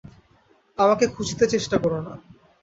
আমাকে খুঁজতে চেষ্টা কোরো না।